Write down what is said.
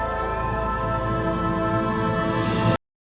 gak ada waktunya